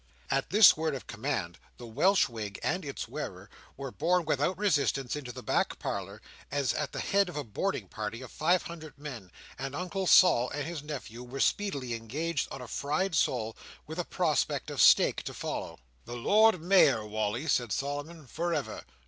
At this word of command, the Welsh wig and its wearer were borne without resistance into the back parlour, as at the head of a boarding party of five hundred men; and Uncle Sol and his nephew were speedily engaged on a fried sole with a prospect of steak to follow. "The Lord Mayor, Wally," said Solomon, "for ever!